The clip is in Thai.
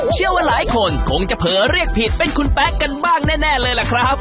เชื่อว่าหลายคนคงจะเผลอเรียกผิดเป็นคุณแป๊ะกันบ้างแน่เลยล่ะครับ